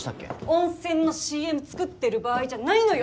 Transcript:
温泉のＣＭ作ってる場合じゃないのよ